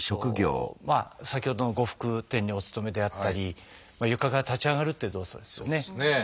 先ほどの呉服店にお勤めであったり床から立ち上がるっていう動作ですよね。